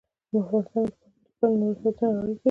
افغانستان د پامیر له پلوه له نورو هېوادونو سره اړیکې لري.